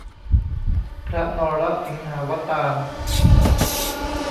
พระนรสิงหาวตาร